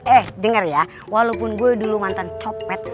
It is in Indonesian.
eh dengar ya walaupun gue dulu mantan copet